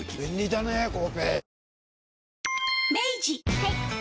はい。